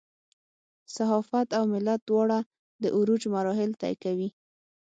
صحافت او ملت دواړه د عروج مراحل طی کوي.